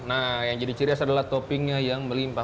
nah yang jadi cirias adalah toppingnya yang melimpah